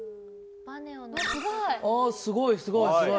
ああすごいすごいすごい。